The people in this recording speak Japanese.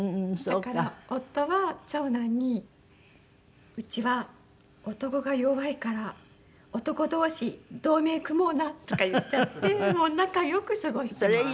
だから夫は長男に「うちは男が弱いから男同士同盟組もうな」とか言っちゃってもう仲良く過ごしてます。